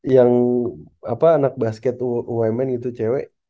yang apa anak basket umn itu cewek